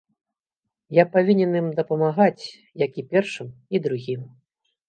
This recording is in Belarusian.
Я павінен ім дапамагаць, як і першым і другім.